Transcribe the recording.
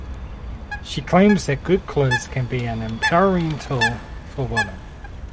She claims that good clothes can be an empowering tool for women.